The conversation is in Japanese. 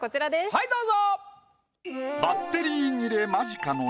はいどうぞ！